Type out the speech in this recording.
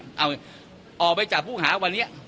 เอาออกไปจากผู้หาวันนี้